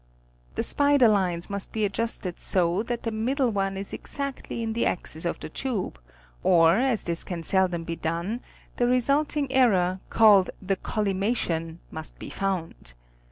The spider lines must be adjusted so that the middle one is exactly in the axis of the tube, or as this can seldom be done the resulting error, called the collimation, must be found.